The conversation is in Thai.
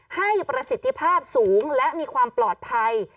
ให้ประสิทธิภาพสูงและมีความปลอดภัย